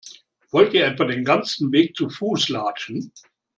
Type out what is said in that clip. Wollt ihr etwa den ganzen Weg zu Fuß latschen?